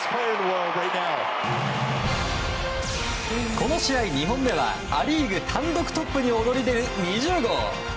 この試合２本目はア・リーグ単独トップに躍り出る２０号。